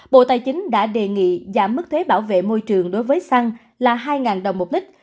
bộ tài chính đã đề nghị giảm mức thuế bảo vệ môi trường đối với xăng là hai đồng một lít